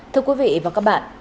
thưa quý vị và các bạn